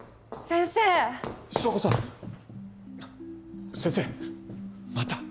先生また。